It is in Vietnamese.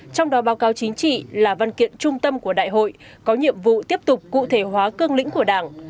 trong đó báo cáo chính trị là văn kiện trung tâm của đại hội có nhiệm vụ tiếp tục cụ thể hóa cương lĩnh của đảng